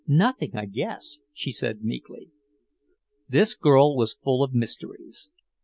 "Nothing, I guess," she said meekly. This girl was full of mysteries.